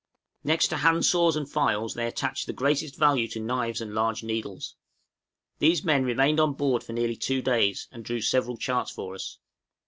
Next to handsaws and files, they attached the greatest value to knives and large needles. These men remained on board for nearly two days, and drew several charts for us.